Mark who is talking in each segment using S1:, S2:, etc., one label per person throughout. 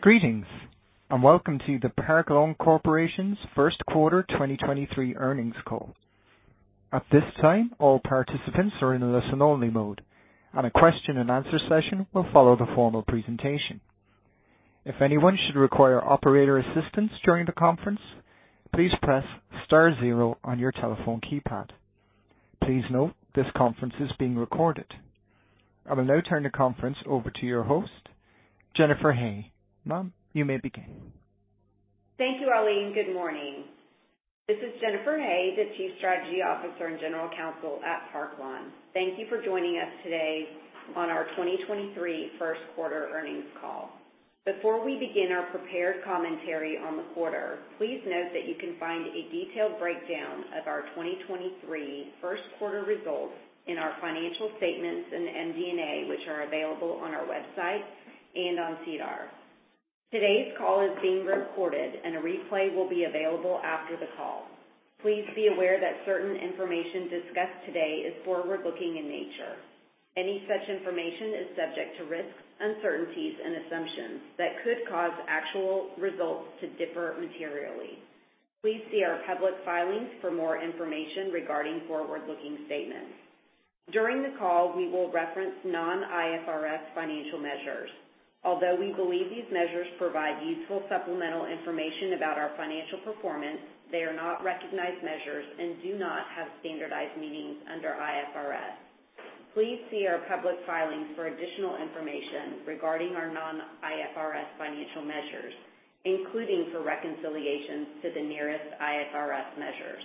S1: Greetings. Welcome to the Park Lawn Corporation's first quarter 2023 earnings call. At this time, all participants are in a listen-only mode, and a question and answer session will follow the formal presentation. If anyone should require operator assistance during the conference, please press star zero on your telephone keypad. Please note this conference is being recorded. I will now turn the conference over to your host, Jennifer Hay. Ma'am, you may begin.
S2: Thank you, Ali. Good morning. This is Jennifer Hay, the Chief Strategy Officer and General Counsel at Park Lawn. Thank you for joining us today on our 2023 first quarter earnings call. Before we begin our prepared commentary on the quarter, please note that you can find a detailed breakdown of our 2023 first quarter results in our financial statements in the MD&A, which are available on our website and on SEDAR. Today's call is being recorded and a replay will be available after the call. Please be aware that certain information discussed today is forward-looking in nature. Any such information is subject to risks, uncertainties and assumptions that could cause actual results to differ materially. Please see our public filings for more information regarding forward-looking statements. During the call, we will reference non-IFRS financial measures. Although we believe these measures provide useful supplemental information about our financial performance, they are not recognized measures and do not have standardized meanings under IFRS. Please see our public filings for additional information regarding our non-IFRS financial measures, including for reconciliations to the nearest IFRS measures.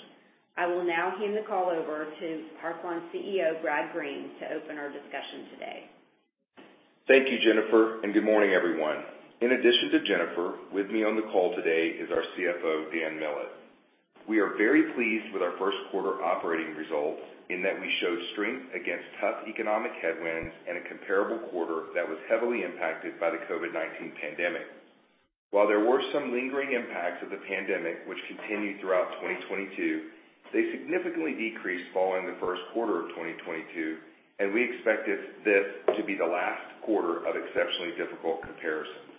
S2: I will now hand the call over to Park Lawn CEO, Brad Green, to open our discussion today.
S3: Thank you, Jennifer. Good morning, everyone. In addition to Jennifer, with me on the call today is our CFO, Daniel Millett. We are very pleased with our first quarter operating results in that we showed strength against tough economic headwinds and a comparable quarter that was heavily impacted by the COVID-19 pandemic. While there were some lingering impacts of the pandemic which continued throughout 2022, they significantly decreased following the first quarter of 2022. We expected this to be the last quarter of exceptionally difficult comparisons.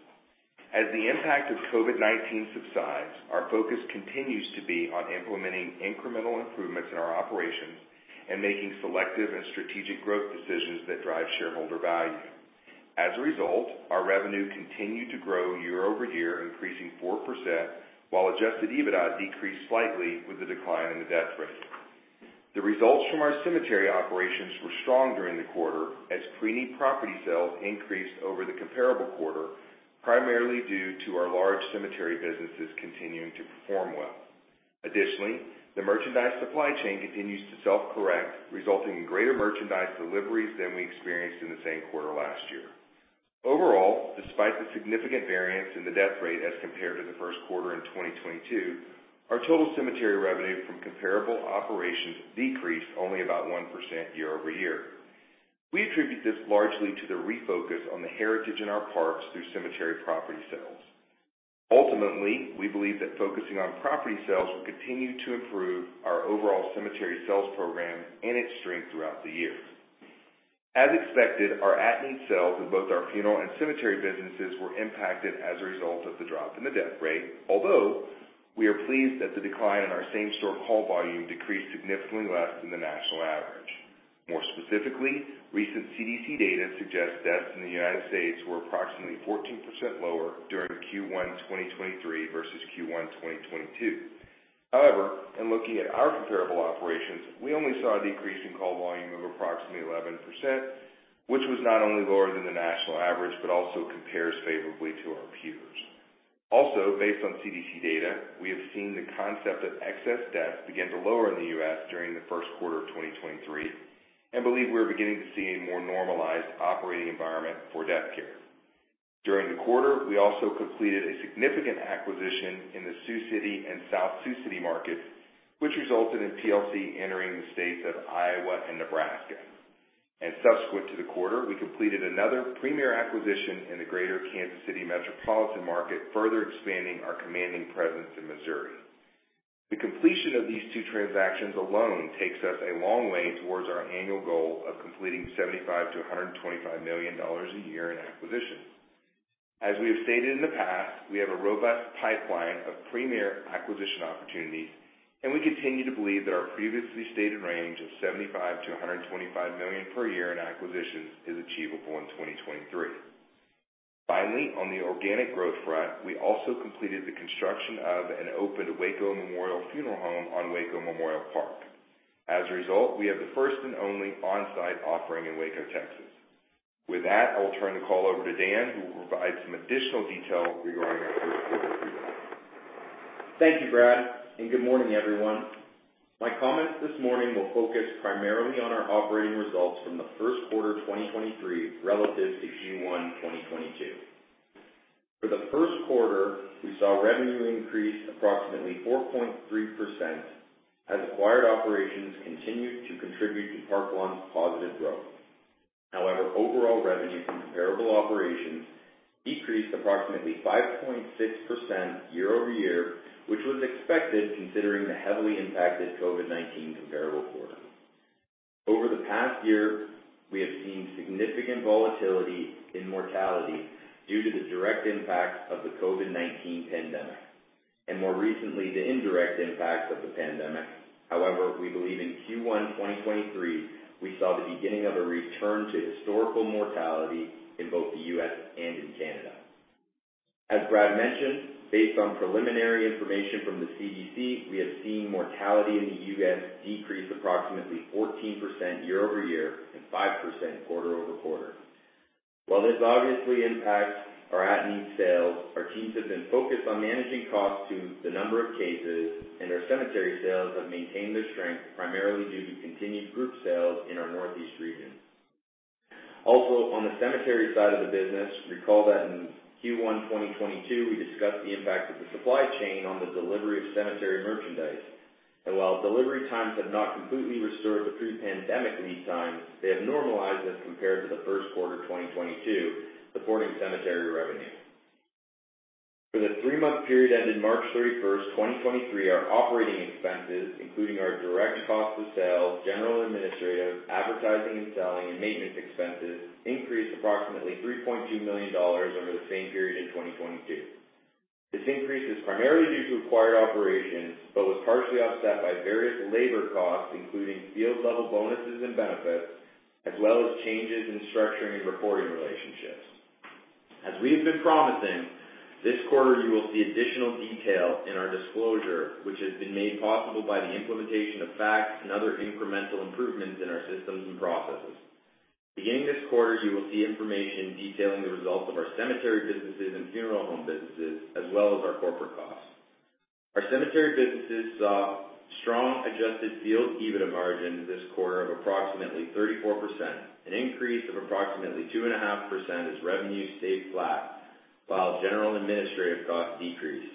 S3: As the impact of COVID-19 subsides, our focus continues to be on implementing incremental improvements in our operations and making selective and strategic growth decisions that drive shareholder value. As a result, our revenue continued to grow year-over-year, increasing 4%, while adjusted EBITDA decreased slightly with the decline in the death rate. The results from our cemetery operations were strong during the quarter as pre-need property sales increased over the comparable quarter, primarily due to our large cemetery businesses continuing to perform well. Additionally, the merchandise supply chain continues to self-correct, resulting in greater merchandise deliveries than we experienced in the same quarter last year. Overall, despite the significant variance in the death rate as compared to the first quarter in 2022, our total cemetery revenue from comparable operations decreased only about 1% year-over-year. We attribute this largely to the refocus on the heritage in our parks through cemetery property sales. Ultimately, we believe that focusing on property sales will continue to improve our overall cemetery sales program and its strength throughout the year. As expected, our at-need sales in both our funeral and cemetery businesses were impacted as a result of the drop in the death rate. Although, we are pleased that the decline in our same-store call volume decreased significantly less than the national average. More specifically, recent CDC data suggests deaths in the U.S. were approximately 14% lower during Q1 2023 versus Q1 2022. However, in looking at our comparable operations, we only saw a decrease in call volume of approximately 11%, which was not only lower than the national average but also compares favorably to our peers. Also, based on CDC data, we have seen the concept of excess deaths begin to lower in the U.S. during the first quarter of 2023 and believe we are beginning to see a more normalized operating environment for death care. During the quarter, we also completed a significant acquisition in the Sioux City and South Sioux City markets, which resulted in PLC entering the states of Iowa and Nebraska. Subsequent to the quarter, we completed another premier acquisition in the Greater Kansas City metropolitan market, further expanding our commanding presence in Missouri. The completion of these two transactions alone takes us a long way towards our annual goal of completing $75 million-$125 million a year in acquisitions. As we have stated in the past, we have a robust pipeline of premier acquisition opportunities, and we continue to believe that our previously stated range of $75 million-$125 million per year in acquisitions is achievable in 2023. Finally, on the organic growth front, we also completed the construction of an open Waco Memorial Funeral Home on Waco Memorial Park. As a result, we have the first and only on-site offering in Waco, Texas. With that, I will turn the call over to Dan, who will provide some additional detail regarding our first quarter results.
S4: Thank you, Brad. Good morning, everyone. My comments this morning will focus primarily on our operating results from the first quarter 2023 relative to Q1 2022. For the first quarter, we saw revenue increase approximately 4.3% as acquired operations continued to contribute to Park Lawn's positive growth. However, overall revenue from comparable operations decreased approximately 5.6% year-over-year, which was expected considering the heavily impacted COVID-19 comparable quarter. Over the past year, we have seen significant volatility in mortality due to the direct impact of the COVID-19 pandemic and more recently, the indirect impact of the pandemic. We believe in Q1 2023, we saw the beginning of a return to historical mortality in both the U.S. and in Canada. As Brad mentioned, based on preliminary information from the CDC, we have seen mortality in the U.S. decrease approximately 14% year-over-year and 5% quarter-over-quarter. While this obviously impacts our at-need sales, our teams have been focused on managing costs to the number of cases, and our cemetery sales have maintained their strength, primarily due to continued group sales in our Northeast region. On the cemetery side of the business, recall that in Q1 2022, we discussed the impact of the supply chain on the delivery of cemetery merchandise. While delivery times have not completely restored the pre-pandemic lead time, they have normalized as compared to the first quarter 2022, supporting cemetery revenue. For the three month period ended March 31, 2023, our operating expenses, including our direct cost of sales, general and administrative, advertising and selling and maintenance expenses increased approximately 3.2 million dollars over the same period in 2022. This increase is primarily due to acquired operations, but was partially offset by various labor costs, including field level bonuses and benefits, as well as changes in structuring and reporting relationships. As we have been promising, this quarter you will see additional detail in our disclosure, which has been made possible by the implementation of FaCTS and other incremental improvements in our systems and processes. Beginning this quarter, you will see information detailing the results of our cemetery businesses and funeral home businesses, as well as our corporate costs. Our cemetery businesses saw strong Adjusted Field EBITDA margin this quarter of approximately 34%, an increase of approximately 2.5% as revenue stayed flat while general and administrative costs decreased.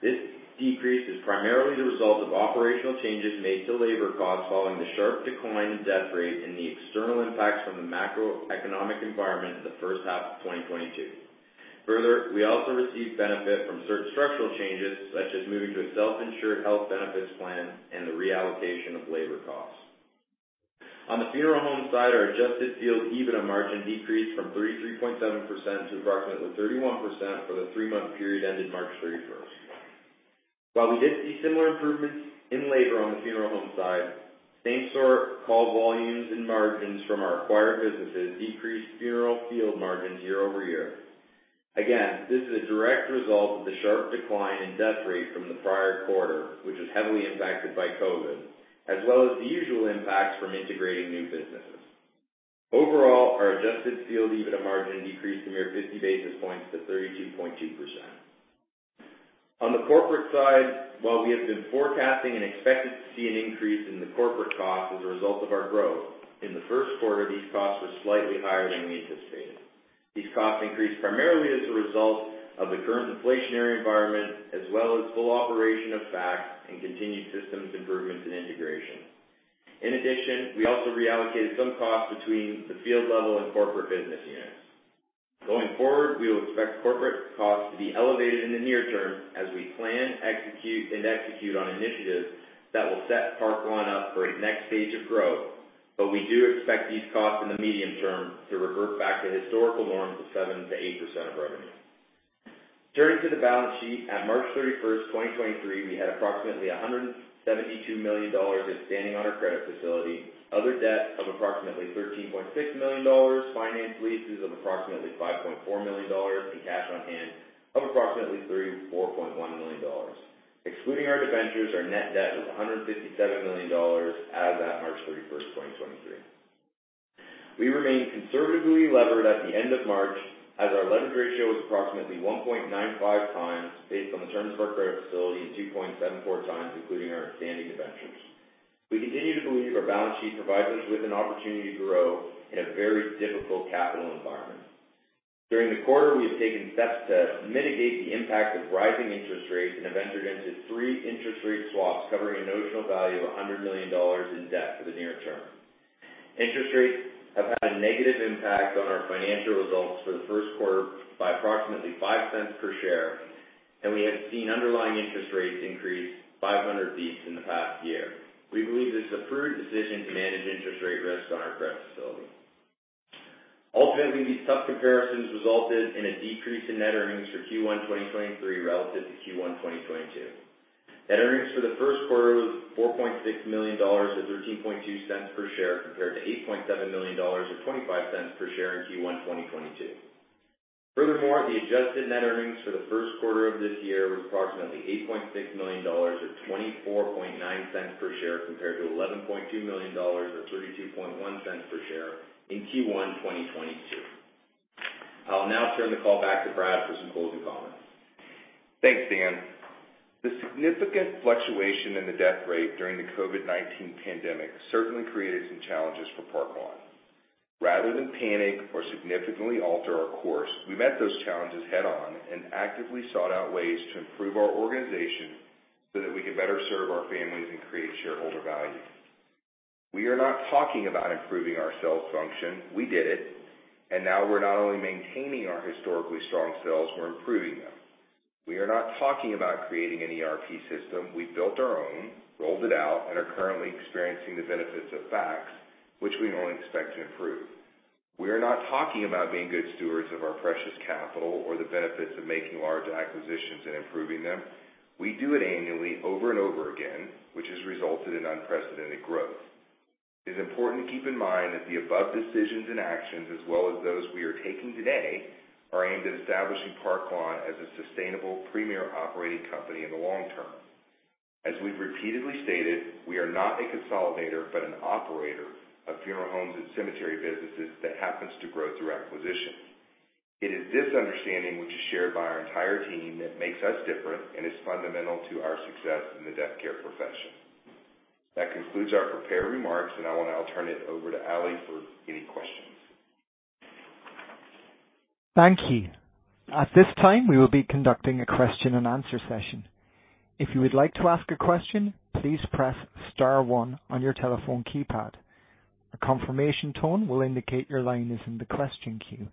S4: This decrease is primarily the result of operational changes made to labor costs following the sharp decline in death rate and the external impacts from the macroeconomic environment in the first half of 2022. Further, we also received benefit from certain structural changes such as moving to a self-insured health benefits plan and the reallocation of labor costs. On the funeral home side, our Adjusted Field EBITDA margin decreased from 33.7% to approximately 31% for the three month period ended March 31st. While we did see similar improvements in labor on the funeral home side, same store call volumes and margins from our acquired businesses decreased funeral field margins year-over-year. This is a direct result of the sharp decline in death rate from the prior quarter, which was heavily impacted by COVID, as well as the usual impacts from integrating new businesses. Overall, our Adjusted Field EBITDA margin decreased a mere 50 basis points to 32.2%. On the corporate side, while we have been forecasting and expected to see an increase in the corporate cost as a result of our growth, in the first quarter, these costs were slightly higher than we anticipated. These costs increased primarily as a result of the current inflationary environment as well as full operation of FaCTS and continued systems improvements and integration. In addition, we also reallocated some costs between the field level and corporate business units. Going forward, we will expect corporate costs to be elevated in the near term as we plan, execute on initiatives that will set Park Lawn up for a next stage of growth. We do expect these costs in the medium term to revert back to historical norms of 7%-8% of revenue. Turning to the balance sheet, at March 31, 2023, we had approximately $172 million in standing on our credit facility, other debts of approximately $13.6 million, finance leases of approximately $5.4 million and cash on hand of approximately $3 million-$4.1 million. Excluding our debentures, our net debt was $157 million as at March 31, 2023. We remain conservatively levered at the end of March as our leverage ratio was approximately 1.95 times based on the terms of our credit facility and 2.74x including our standing debentures. We continue to believe our balance sheet provides us with an opportunity to grow in a very difficult capital environment. During the quarter, we have taken steps to mitigate the impact of rising interest rates and have entered into three interest rate swaps, covering a notional value of $100 million in debt for the near term. Interest rates have had a negative impact on our financial results for the first quarter by approximately $0.05 per share, and we have seen underlying interest rates increase 500 bps in the past year. We believe this a prudent decision to manage interest rate risk on our credit facility. Ultimately, these tough comparisons resulted in a decrease in net earnings for Q1 2023 relative to Q1 2022. Net earnings for the first quarter was 4.6 million dollars, or 0.132 per share, compared to 8.7 million dollars or 0.25 per share in Q1 2022. The adjusted net earnings for the first quarter of this year was approximately 8.6 million dollars or 0.249 per share, compared to 11.2 million dollars or 0.321 per share in Q1 2022. I'll now turn the call back to Brad for some closing comments.
S3: Thanks, Dan. The significant fluctuation in the death rate during the COVID-19 pandemic certainly created some challenges for Park Lawn. Rather than panic or significantly alter our course, we met those challenges head on and actively sought out ways to improve our organization so that we could better serve our families and create shareholder value. We are not talking about improving our sales function. We did it, and now we're not only maintaining our historically strong sales, we're improving them. We are not talking about creating an ERP system. We built our own, rolled it out, and are currently experiencing the benefits of FaCTS, which we only expect to improve. We are not talking about being good stewards of our precious capital or the benefits of making large acquisitions and improving them. We do it annually over and over again, which has resulted in unprecedented growth. It is important to keep in mind that the above decisions and actions, as well as those we are taking today, are aimed at establishing Park Lawn as a sustainable premier operating company in the long term. As we've repeatedly stated, we are not a consolidator, but an operator of funeral homes and cemetery businesses that happens to grow through acquisitions. It is this understanding, which is shared by our entire team, that makes us different and is fundamental to our success in the death care profession. That concludes our prepared remarks. I want to turn it over to Ali for any questions.
S1: Thank you. At this time, we will be conducting a question-and-answer session. If you would like to ask a question, please press star one on your telephone keypad. A confirmation tone will indicate your line is in the question queue,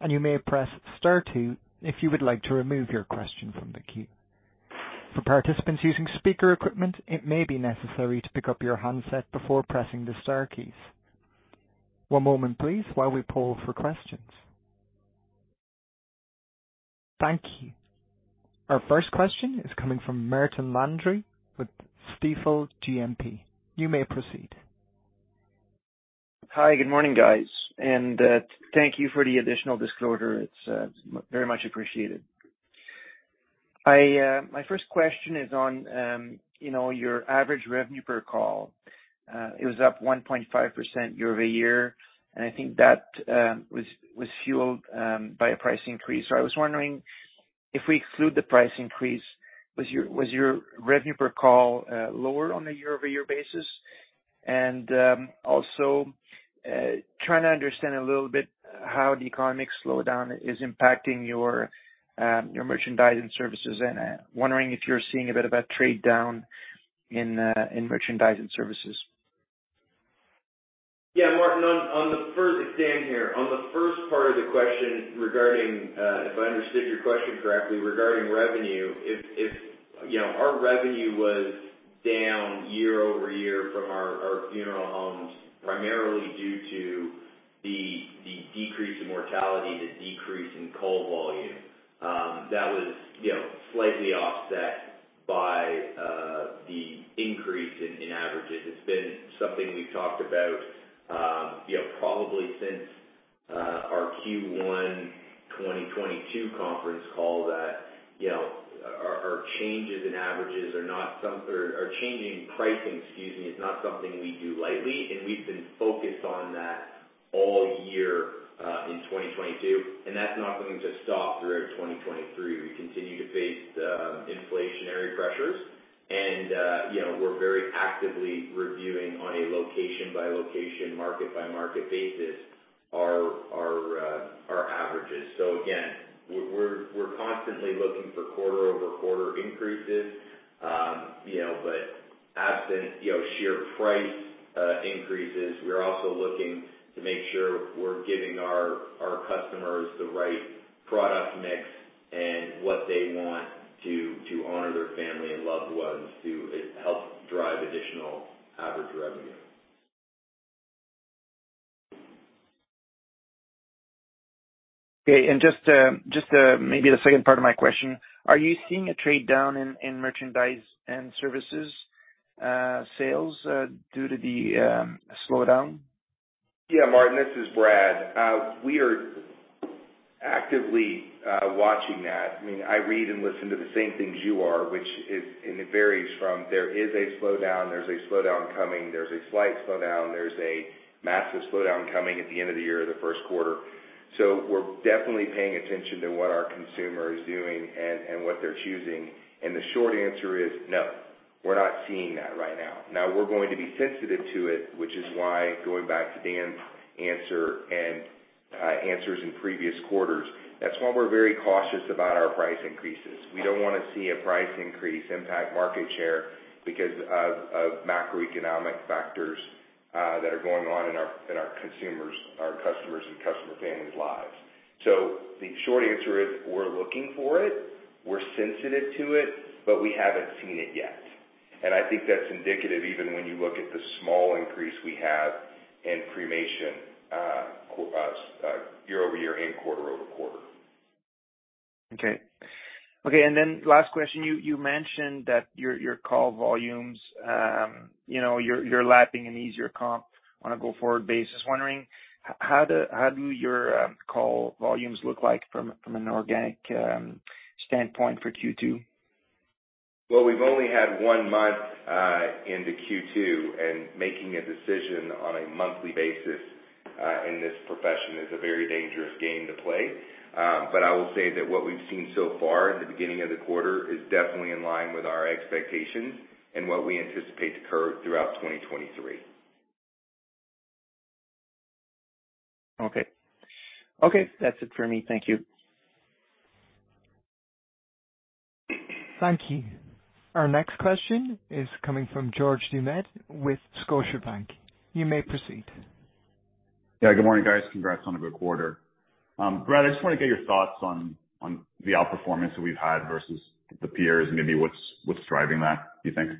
S1: and you may press star two if you would like to remove your question from the queue. For participants using speaker equipment, it may be necessary to pick up your handset before pressing the star keys. One moment, please, while we poll for questions. Thank you. Our first question is coming from Martin Landry with Stifel GMP. You may proceed.
S5: Hi, good morning, guys, thank you for the additional disclosure. It's very much appreciated. My first question is on, you know, your average revenue per call. It was up 1.5% year-over-year, I think that was fueled by a price increase. I was wondering if we exclude the price increase, was your revenue per call lower on a year-over-year basis? Also, trying to understand a little bit how the economic slowdown is impacting your merchandise and services, and wondering if you're seeing a bit of a trade down in merchandise and services.
S4: Martin, Dan here. On the first part of the question regarding if I understood your question correctly, regarding revenue, you know, our revenue was down year-over-year from our funeral homes, primarily due to the decrease in mortality, the decrease in call volume. That was, you know, slightly offset by the increase in averages. It's been something we've talked about, you know, probably since our Q1 2022 conference call that, you know, our changing pricing, excuse me, is not something we do lightly. We've been focused on that all year in 2022, and that's not going to stop through 2023. We continue to face the inflationary pressures and, you know, we're very actively reviewing on a location-by-location, market-by-market basis our, our averages. Again, we're constantly looking for quarter-over-quarter increases, you know, but absent, you know, sheer price increases, we're also looking to make sure we're giving our customers the right product mix and what they want to honor their family and loved ones to help drive additional average revenue.
S5: Okay. Maybe the second part of my question, are you seeing a trade down in merchandise and services sales due to the slowdown?
S3: Martin, this is Brad. We are actively watching that. I mean, I read and listen to the same things you are, which is, it varies from there is a slowdown, there's a slowdown coming, there's a slight slowdown, there's a massive slowdown coming at the end of the year or the first quarter. We're definitely paying attention to what our consumer is doing and what they're choosing. The short answer is no, we're not seeing that right now. Now we're going to be sensitive to it, which is why going back to Dan's answer and answers in previous quarters, that's why we're very cautious about our price increases. We don't wanna see a price increase impact market share because of macroeconomic factors that are going on in our consumers, our customers and customer families' lives. The short answer is we're looking for it, we're sensitive to it, but we haven't seen it yet. I think that's indicative even when you look at the small increase we have in cremation, year-over-year and quarter-over-quarter.
S5: Okay. Last question. You mentioned that your call volumes, you know, you're lapping an easier comp on a go-forward basis. Wondering how do your call volumes look like from an organic standpoint for Q2?
S3: We've only had one month into Q2, making a decision on a monthly basis in this profession is a very dangerous game to play. I will say that what we've seen so far at the beginning of the quarter is definitely in line with our expectations and what we anticipate to occur throughout 2023.
S5: Okay. Okay, that's it for me. Thank you.
S1: Thank you. Our next question is coming from George Doumet with Scotiabank. You may proceed.
S6: Yeah. Good morning, guys. Congrats on a good quarter. Brad, I just want to get your thoughts on the outperformance that we've had versus the peers and maybe what's driving that, do you think?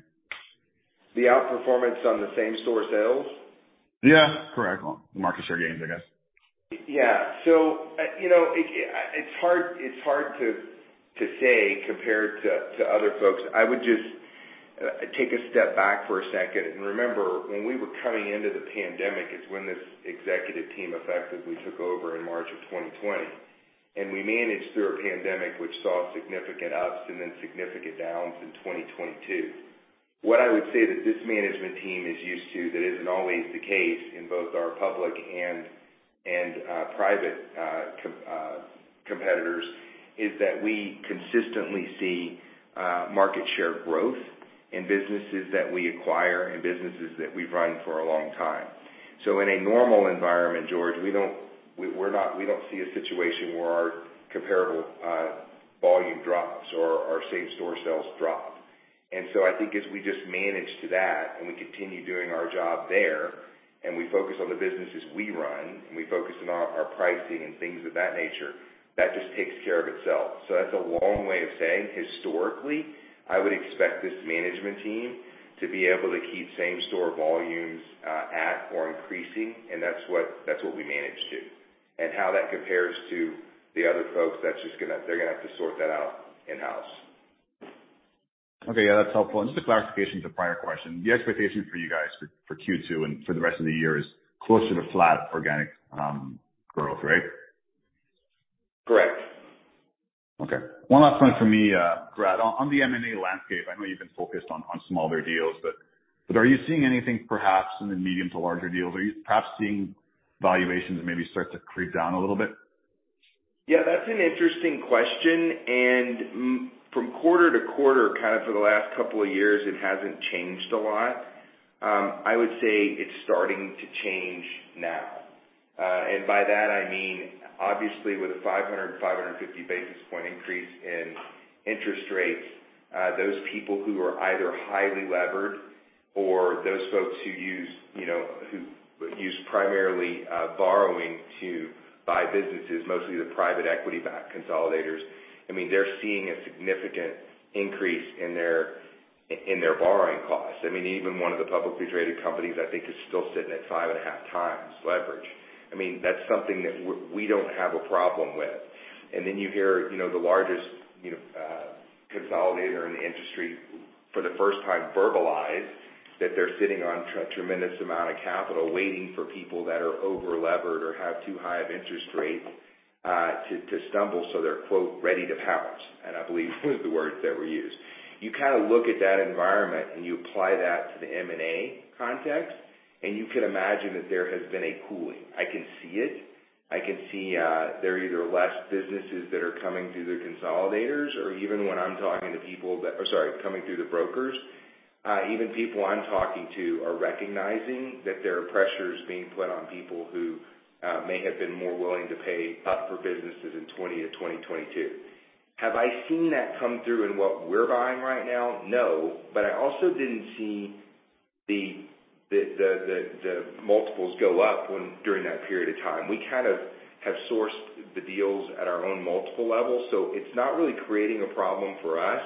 S3: The outperformance on the same store sales?
S6: Yeah. Correct. The market share gains, I guess.
S3: Yeah. You know, it's hard to say compared to other folks. I would just take a step back for a second and remember when we were coming into the pandemic is when this executive team effectively took over in March of 2020. We managed through a pandemic which saw significant ups and then significant downs in 2022. What I would say that this management team is used to that isn't always the case in both our public and private competitors, is that we consistently see market share growth in businesses that we acquire and businesses that we've run for a long time. In a normal environment, George, we don't see a situation where our comparable volume drops or our same store sales drop. I think as we just manage to that and we continue doing our job there, and we focus on the businesses we run, and we focus on our pricing and things of that nature, that just takes care of itself. That's a long way of saying, historically, I would expect this management team to be able to keep same store volumes at or increasing, and that's what we manage to. How that compares to the other folks, that's just gonna. They're gonna have to sort that out in-house.
S6: Okay. Yeah, that's helpful. Just a clarification to a prior question. The expectation for you guys for Q2 and for the rest of the year is closer to flat organic, growth, right?
S3: Correct.
S6: Okay. One last one for me, Brad. On the M&A landscape, I know you've been focused on smaller deals, but are you seeing anything perhaps in the medium to larger deals? Are you perhaps seeing valuations maybe start to creep down a little bit?
S3: Yeah, that's an interesting question. From quarter-to-quarter, kind of for the last couple of years, it hasn't changed a lot. I would say it's starting to change now. By that I mean, obviously with a 500, 550 basis point increase in interest rates, those people who are either highly levered or those folks who use, you know, who use primarily borrowing to buy businesses, mostly the private equity backed consolidators, I mean, they're seeing a significant increase in their borrowing costs. I mean, even one of the publicly traded companies, I think, is still sitting at 5.5x leverage. I mean, that's something that we don't have a problem with. Then you hear, you know, the largest, you know, consolidator in the industry for the first time verbalize that they're sitting on a tremendous amount of capital waiting for people that are over-levered or have too high of interest rates to stumble, so they're quote, "ready to pounce." I believe the words that were used. You kind of look at that environment and you apply that to the M&A context, and you can imagine that there has been a cooling. I can see it. I can see there are either less businesses that are coming through the consolidators or even when I'm talking to people. Or sorry, coming through the brokers. Even people I'm talking to are recognizing that there are pressures being put on people who may have been more willing to pay up for businesses in 2020 to 2022. Have I seen that come through in what we're buying right now? No. I also didn't see the multiples go up when during that period of time. We kind of have sourced the deals at our own multiple levels, so it's not really creating a problem for us.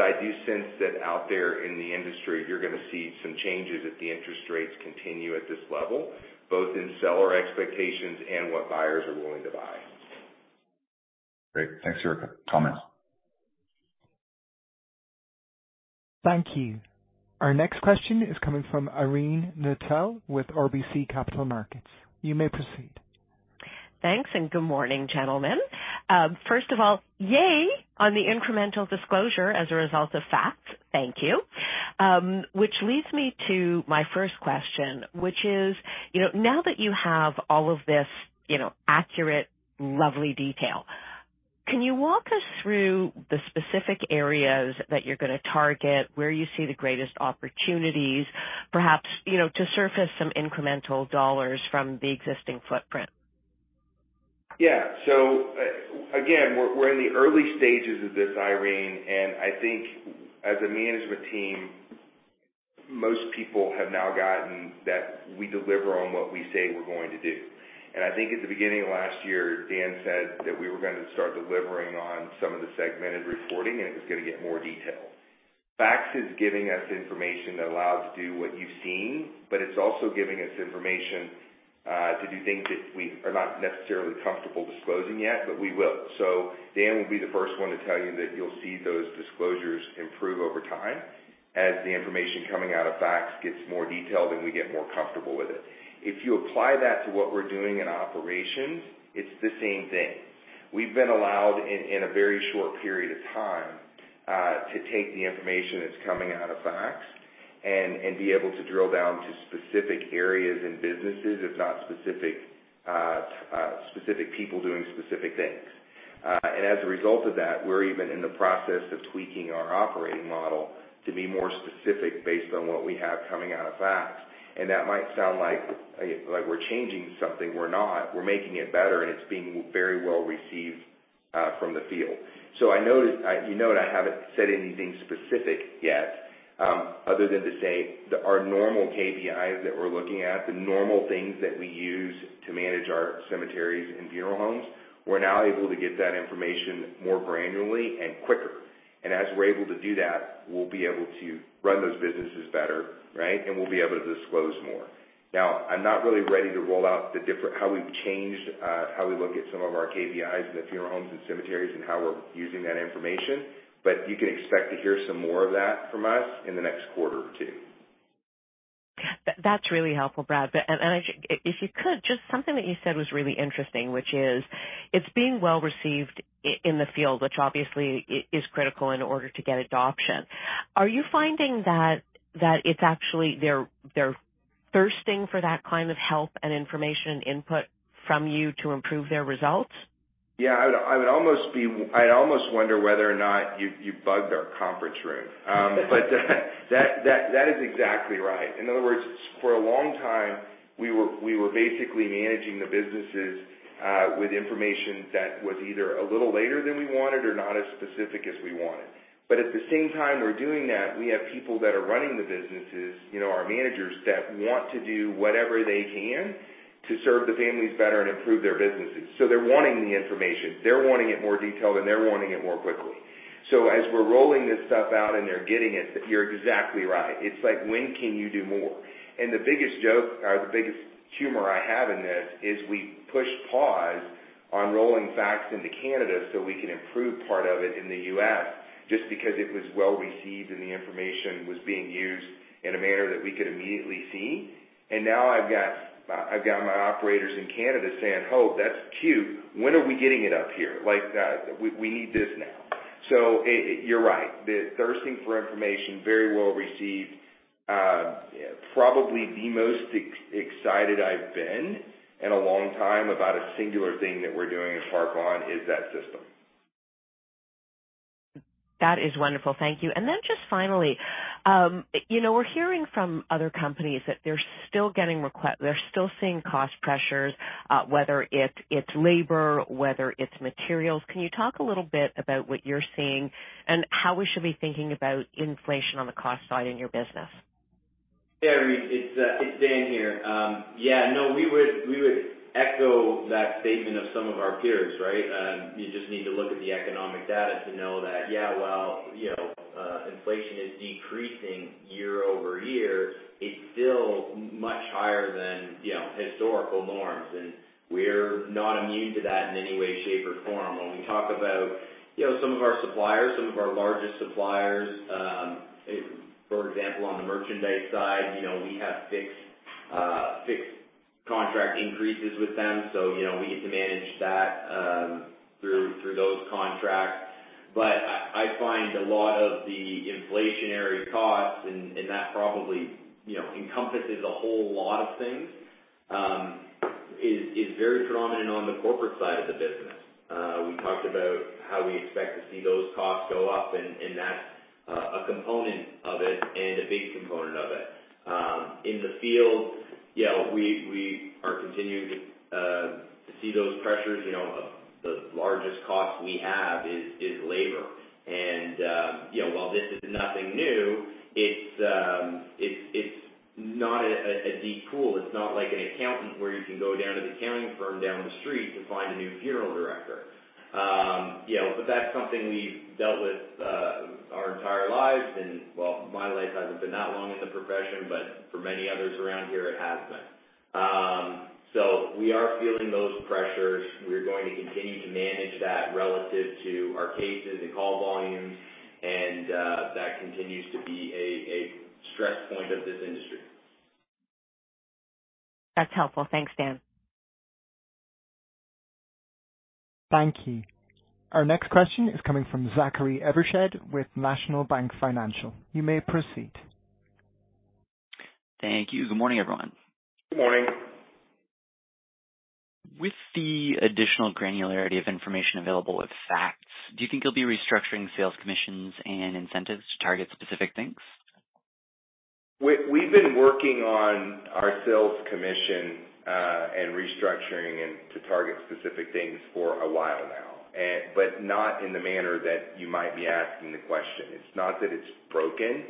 S3: I do sense that out there in the industry, you're gonna see some changes if the interest rates continue at this level, both in seller expectations and what buyers are willing to buy.
S6: Great. Thanks for your comments.
S1: Thank you. Our next question is coming from Irene Nattel with RBC Capital Markets. You may proceed.
S7: Thanks. Good morning, gentlemen. First of all, yay on the incremental disclosure as a result of FaCTS. Thank you. Which leads me to my first question, which is, you know, now that you have all of this, you know, accurate, lovely detail, can you walk us through the specific areas that you're going to target, where you see the greatest opportunities, perhaps, you know, to surface some incremental dollars from the existing footprint?
S3: Yeah. Again, we're in the early stages of this, Irene, and I think as a management team, most people have now gotten that we deliver on what we say we're going to do. I think at the beginning of last year, Dan said that we were gonna start delivering on some of the segmented reporting, and it was gonna get more detailed. FaCTS is giving us information that allows to do what you've seen, but it's also giving us information to do things that we are not necessarily comfortable disclosing yet, but we will. Dan will be the first one to tell you that you'll see those disclosures improve over time as the information coming out of FaCTS gets more detailed and we get more comfortable with it. If you apply that to what we're doing in operations, it's the same thing. We've been allowed in a very short period of time, to take the information that's coming out of FaCTS and be able to drill down to specific areas and businesses, if not specific people doing specific things. As a result of that, we're even in the process of tweaking our operating model to be more specific based on what we have coming out of FaCTS. That might sound like we're changing something. We're not. We're making it better, and it's being very well received from the field. You note I haven't said anything specific yet, other than to say that our normal KPIs that we're looking at, the normal things that we use to manage our cemeteries and funeral homes, we're now able to get that information more granularly and quicker. As we're able to do that, we'll be able to run those businesses better, right, and we'll be able to disclose more. Now, I'm not really ready to roll out how we've changed how we look at some of our KPIs in the funeral homes and cemeteries and how we're using that information. You can expect to hear some more of that from us in the next quarter or two.
S7: That's really helpful, Brad. If you could, just something that you said was really interesting, which is it's being well-received in the field, which obviously is critical in order to get adoption. Are you finding that it's actually they're thirsting for that kind of help and information input from you to improve their results?
S3: Yeah, I would almost wonder whether or not you bugged our conference room. That is exactly right. In other words, for a long time, we were basically managing the businesses with information that was either a little later than we wanted or not as specific as we wanted. At the same time we're doing that, we have people that are running the businesses, you know, our managers that want to do whatever they can to serve the families better and improve their businesses. They're wanting the information, they're wanting it more detailed, and they're wanting it more quickly. As we're rolling this stuff out and they're getting it, you're exactly right. It's like, when can you do more? The biggest joke or the biggest humor I have in this is we pushed pause on rolling FaCTS into Canada so we can improve part of it in the U.S., just because it was well-received and the information was being used in a manner that we could immediately see. Now I've got my operators in Canada saying, "Oh, that's cute. When are we getting it up here?" Like, "We need this now." You're right. The thirsting for information, very well-received. Probably the most excited I've been in a long time about a singular thing that we're doing at Park Lawn is that system.
S7: That is wonderful. Thank you. Then just finally, you know, we're hearing from other companies that they're still getting, they're still seeing cost pressures, whether it's labor, whether it's materials. Can you talk a little bit about what you're seeing and how we should be thinking about inflation on the cost side in your business?
S4: Irene, it's Dan here. We would echo that statement of some of our peers, right? You just need to look at the economic data to know that, inflation is decreasing year-over-year. It's still much higher than historical norms, we're not immune to that in any way, shape, or form. When we talk about some of our suppliers, some of our largest suppliers, for example, on the merchandise side, we have fixed fixed contract increases with them. We get to manage that through those contracts. I find a lot of the inflationary costs, and that probably, you know, encompasses a whole lot of things, is very prominent on the corporate side of the business. We talked about how we expect to see those costs go up, and that's a component of it and a big component of it. In the field, yeah, we are continuing to see those pressures. You know, the largest cost we have is labor. You know, while this is nothing new, it's not a deep pool. It's not like an accountant where you can go down to the accounting firm down the street to find a new funeral director. You know, that's something we've dealt with, our entire lives and, well, my life hasn't been that long in the profession, but for many others around here, it has been. We are feeling those pressures. We're going to continue to manage that relative to our cases and call volumes, and that continues to be a stress point of this industry.
S7: That's helpful. Thanks, Dan.
S1: Thank you. Our next question is coming from Zachary Evershed with National Bank Financial. You may proceed.
S8: Thank you. Good morning, everyone.
S3: Good morning.
S8: With the additional granularity of information available with FaCTS, do you think you'll be restructuring sales commissions and incentives to target specific things?
S3: We've been working on our sales commission and restructuring and to target specific things for a while now, but not in the manner that you might be asking the question. It's not that it's broken.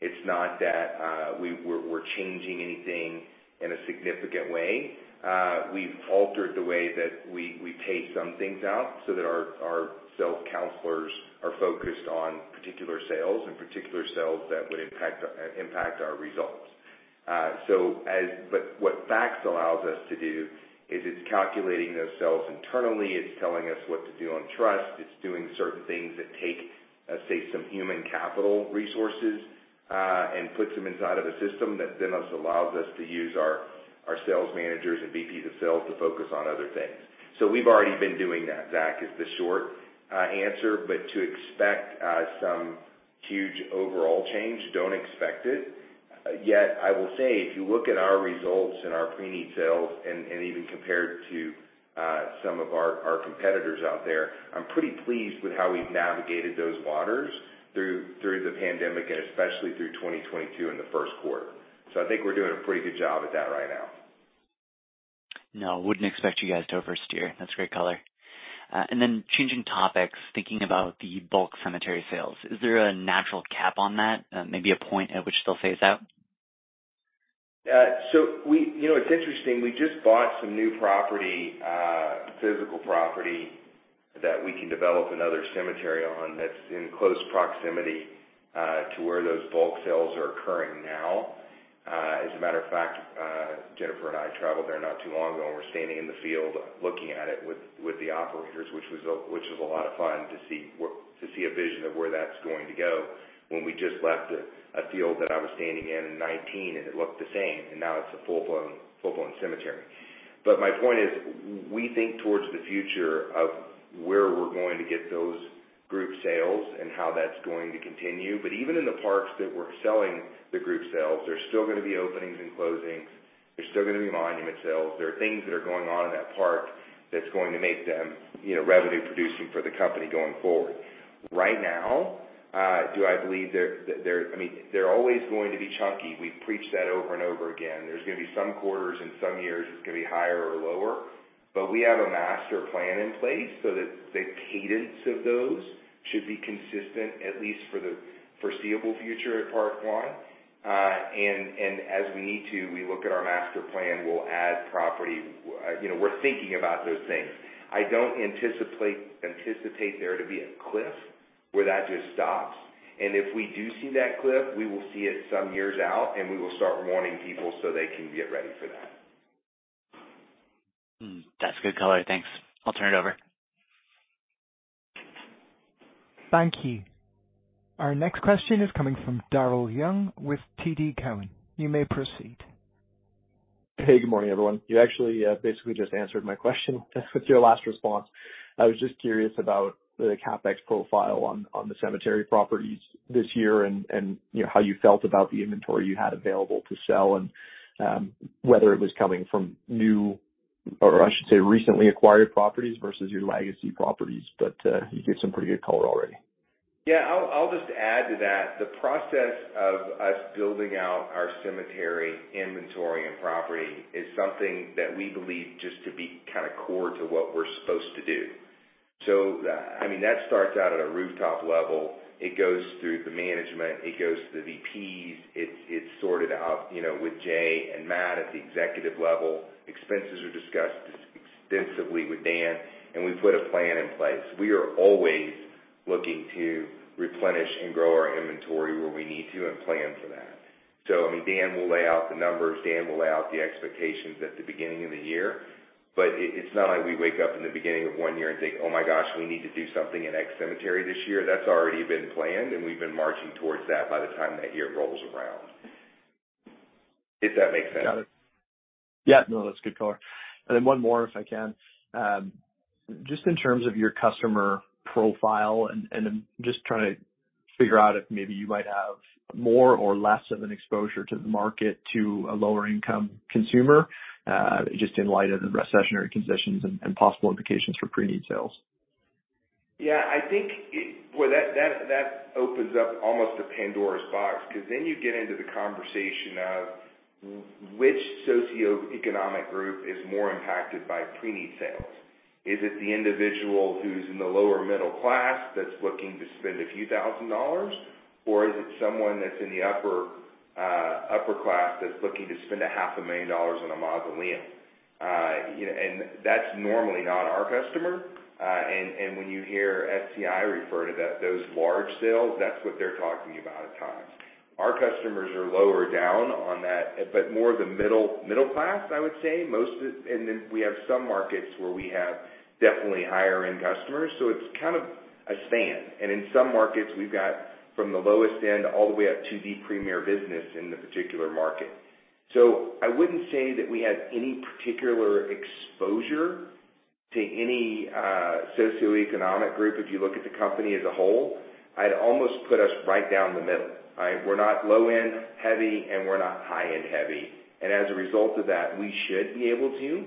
S3: It's not that we're changing anything in a significant way. We've altered the way that we pay some things out so that our sales counselors are focused on particular sales and particular sales that would impact our results. What FaCTS allows us to do is it's calculating those sales internally. It's telling us what to do on trust. It's doing certain things that take, let's say, some human capital resources, and puts them inside of a system that then also allows us to use our sales managers and VPs of sales to focus on other things. We've already been doing that, Zach, is the short answer. To expect some huge overall change, don't expect it. I will say if you look at our results and our pre-need sales and even compared to some of our competitors out there, I'm pretty pleased with how we've navigated those waters through the pandemic and especially through 2022 in the first quarter. I think we're doing a pretty good job at that right now.
S8: No, wouldn't expect you guys to oversteer. That's great color. Then changing topics, thinking about the bulk cemetery sales, is there a natural cap on that? Maybe a point at which they'll phase out?
S3: You know, it's interesting, we just bought some new property, physical property that we can develop another cemetery on that's in close proximity to where those bulk sales are occurring now. As a matter of fact, Jennifer and I traveled there not too long ago, and we're standing in the field looking at it with the operators, which was a lot of fun to see to see a vision of where that's going to go when we just left a field that I was standing in in 2019 and it looked the same and now it's a full-blown, full-blown cemetery. My point is, we think towards the future of where we're going to get those group sales and how that's going to continue. Even in the parks that we're selling the group sales, there's still gonna be openings and closings. There's still gonna be monument sales. There are things that are going on in that park that's going to make them, you know, revenue producing for the company going forward. Right now, do I believe I mean, they're always going to be chunky. We preach that over and over again. There's gonna be some quarters and some years it's gonna be higher or lower, but we have a master plan in place so that the cadence of those should be consistent, at least for the foreseeable future at Park Lawn. And as we need to, we look at our master plan, we'll add property. You know, we're thinking about those things. I don't anticipate there to be a cliff where that just stops. If we do see that cliff, we will see it some years out, and we will start warning people so they can get ready for that.
S8: That's good color. Thanks. I'll turn it over.
S1: Thank you. Our next question is coming from Daryl Young with TD Cowen. You may proceed.
S9: Hey, good morning, everyone. You actually, basically just answered my question with your last response. I was just curious about the CapEx profile on the cemetery properties this year and, you know, how you felt about the inventory you had available to sell and, whether it was coming from new or I should say, recently acquired properties versus your legacy properties. You gave some pretty good color already.
S3: Yeah. I'll just add to that. The process of us building out our cemetery inventory and property is something that we believe just to be kind of core to what we're supposed to do. I mean, that starts out at a rooftop level. It goes through the management. It goes to the VPs. It's sorted out, you know, with Jay and Matt at the executive level. Expenses are discussed extensively with Dan, and we put a plan in place. We are always looking to replenish and grow our inventory where we need to and plan for that. I mean, Dan Millett will lay out the numbers, Dan Millett will lay out the expectations at the beginning of the year, but it's not like we wake up in the beginning of 1 year and think, "Oh my gosh, we need to do something in X cemetery this year." That's already been planned, and we've been marching towards that by the time that year rolls around. If that makes sense.
S9: Got it. Yeah. No, that's good color. One more, if I can. Just in terms of your customer profile and I'm just trying to figure out if maybe you might have more or less of an exposure to the market to a lower income consumer, just in light of the recessionary conditions and possible implications for pre-need sales.
S3: Yeah, I think that opens up almost a Pandora's box, 'cause then you get into the conversation of which socioeconomic group is more impacted by pre-need sales. Is it the individual who's in the lower middle class that's looking to spend a few thousand dollars, or is it someone that's in the upper class that's looking to spend a half a million dollars on a mausoleum? You know, that's normally not our customer. When you hear SCI refer to that, those large sales, that's what they're talking about at times. Our customers are lower down on that, but more the middle class, I would say. Then we have some markets where we have definitely higher-end customers. It's kind of a span. In some markets we've got from the lowest end all the way up to the premier business in the particular market. I wouldn't say that we had any particular exposure to any socioeconomic group. If you look at the company as a whole, I'd almost put us right down the middle. All right? We're not low end heavy, and we're not high end heavy. As a result of that, we should be able to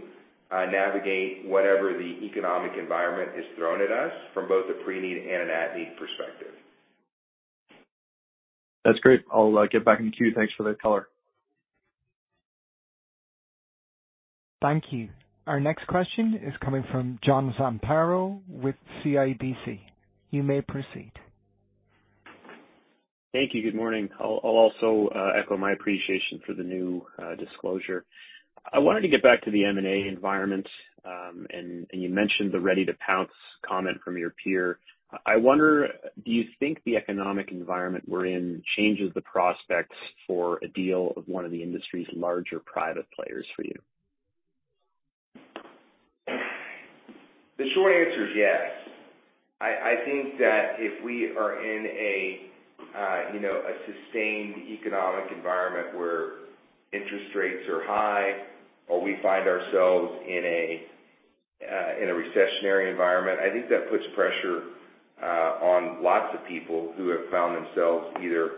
S3: navigate whatever the economic environment has thrown at us from both a pre-need and an at-need perspective.
S9: That's great. I'll get back in the queue. Thanks for that color.
S1: Thank you. Our next question is coming from John Zamparo with CIBC. You may proceed.
S10: Thank you. Good morning. I'll also echo my appreciation for the new disclosure. I wanted to get back to the M&A environment. You mentioned the ready to pounce comment from your peer. I wonder, do you think the economic environment we're in changes the prospects for a deal of one of the industry's larger private players for you?
S3: The short answer is yes. I think that if we are in a, you know, a sustained economic environment where interest rates are high or we find ourselves in a recessionary environment, I think that puts pressure on lots of people who have found themselves either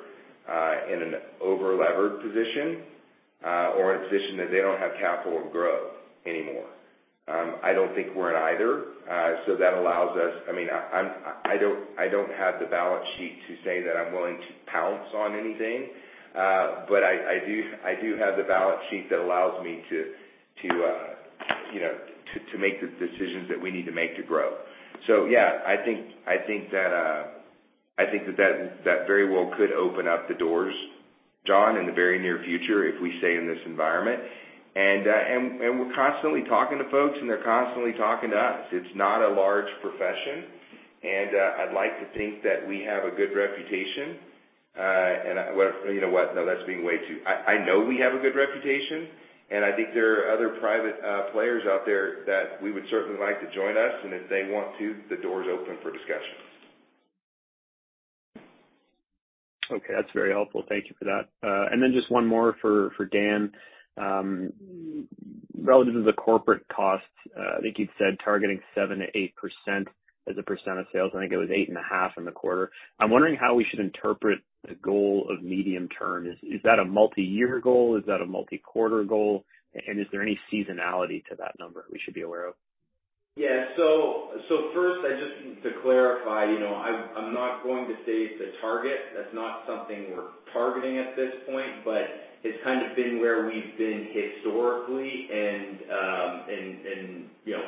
S3: in an over-levered position or a position that they don't have capital to grow anymore. I don't think we're in either. That allows us, I mean, I don't have the balance sheet to say that I'm willing to pounce on anything. I do have the balance sheet that allows me to, you know, to make the decisions that we need to make to grow. Yeah, I think that very well could open up the doors, John, in the very near future if we stay in this environment. We're constantly talking to folks, and they're constantly talking to us. It's not a large profession. I'd like to think that we have a good reputation. Well, you know what? No, that's being way too... I know we have a good reputation, and I think there are other private players out there that we would certainly like to join us, and if they want to, the door's open for discussions.
S10: Okay. That's very helpful. Thank you for that. Just one more for Dan. Relative to the corporate costs, I think you'd said targeting 7%-8% as a percent of sales. I think it was 8.5% in the quarter. I'm wondering how we should interpret the goal of medium term. Is that a multi-year goal? Is that a multi-quarter goal? Is there any seasonality to that number we should be aware of?
S4: First I just to clarify, you know, I'm not going to say it's a target. That's not something we're targeting at this point, but it's kind of been where we've been historically and, you know,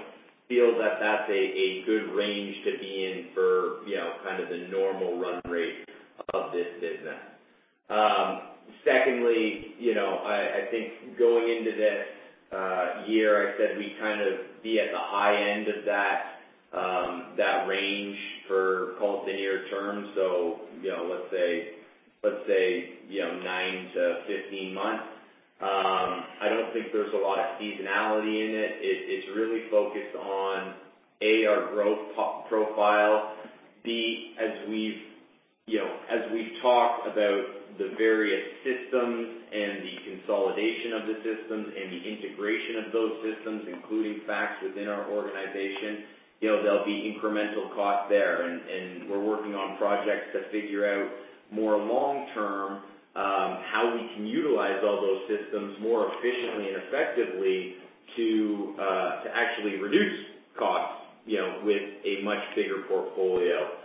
S4: feel that that's a good range to be in for, you know, kind of the normal run rate of this business. Secondly, you know, I think going into this year, I said we kind of be at the high end of that range for call it the near term. You know, let's say, you know, nine to 15 months. I don't think there's a lot of seasonality in it. It's really focused on, A, our growth profile. As we've, you know, as we've talked about the various systems and the consolidation of the systems and the integration of those systems, including FaCTS within our organization, you know, there'll be incremental costs there. We're working on projects to figure out more long term how we can utilize all those systems more efficiently and effectively to actually reduce costs, you know, with a much bigger portfolio.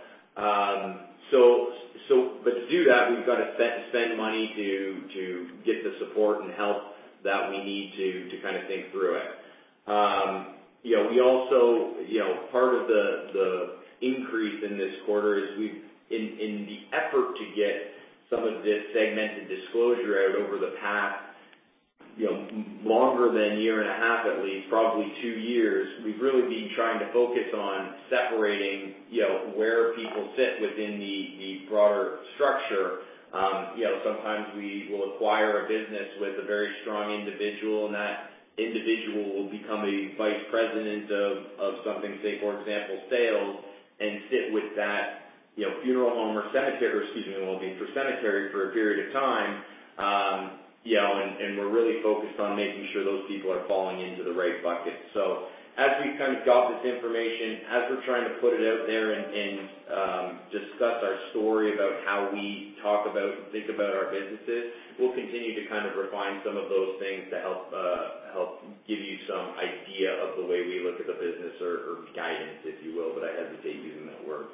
S4: But to do that, we've got to set and spend money to get the support and help that we need to kinda think through it. You know, we also, you know, part of the increase in this quarter is in the effort to get some of this segmented disclosure out over the past, you know, more than a year and a half, at least probably 2 years, we've really been trying to focus on separating, you know, where people sit within the broader structure. You know, sometimes we will acquire a business with a very strong individual, and that individual will become a vice president of something, say, for example, sales and sit with that, you know, funeral home or cemetery, excuse me, well, it being for cemetery for a period of time. You know, we're really focused on making sure those people are falling into the right bucket. As we've kind of got this information, as we're trying to put it out there and discuss our story about how we talk about and think about our businesses, we'll continue to kind of refine some of those things to help give you some idea of the way we look at the business or guidance, if you will, but I hesitate using that word.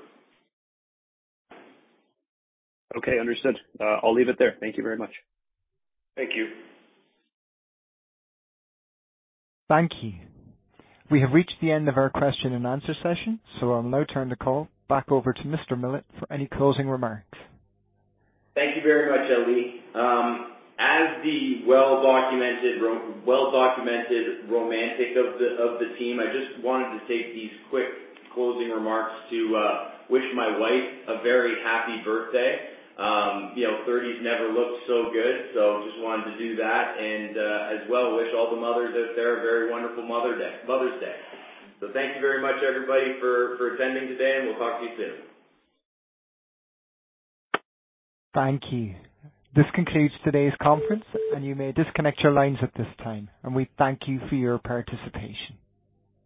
S10: Understood. I'll leave it there. Thank you very much.
S4: Thank you.
S1: Thank you. We have reached the end of our question and answer session, so I'll now turn the call back over to Mr. Millett for any closing remarks.
S4: Thank you very much, Ali. As the well-documented romantic of the team, I just wanted to take these quick closing remarks to wish my wife a very happy birthday. You know, thirties never looked so good, so just wanted to do that. As well, wish all the mothers out there a very wonderful Mother's Day. Thank you very much, everybody for attending today, and we'll talk to you soon.
S1: Thank you. This concludes today's conference, and you may disconnect your lines at this time. We thank you for your participation.